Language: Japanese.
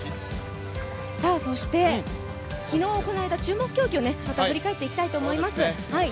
そして、昨日行われた注目競技を振り返っていきたいと思います。